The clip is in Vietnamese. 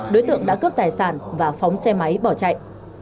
đối tượng đã cướp tài sản và phóng xe máy bỏ chạy